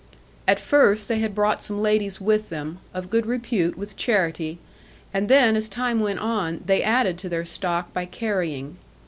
At first they had brought some ladies with them, of good repute with charity; and then, as time went on, they added to their stock by carrying.